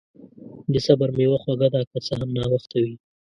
د صبر میوه خوږه ده، که څه هم ناوخته وي.